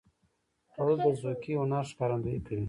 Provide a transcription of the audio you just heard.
خوړل د ذوقي هنر ښکارندویي ده